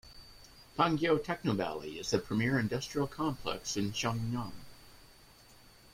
Pangyo Technovalley is the premier industrial complex in Seongnam.